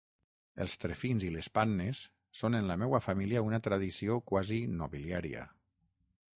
Els trefins i les pannes són en la meua família una tradició quasi nobiliària.